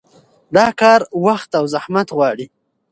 دا کار وخت او زحمت غواړي.